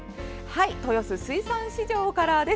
豊洲水産市場からです。